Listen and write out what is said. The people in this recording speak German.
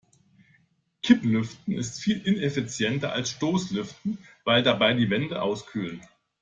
Kipplüften ist viel ineffizienter als Stoßlüften, weil dabei die Wände auskühlen.